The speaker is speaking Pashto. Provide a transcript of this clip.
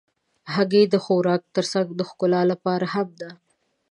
هګۍ د خوراک تر څنګ د ښکلا لپاره هم ده.